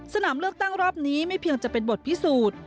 สนามเลือกตั้งรอบนี้ไม่เพียงจะเป็นบทพิสูจน์